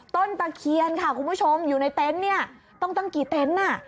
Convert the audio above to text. ตะเคียนค่ะคุณผู้ชมอยู่ในเต็นต์เนี่ยต้องตั้งกี่เต็นต์น่ะ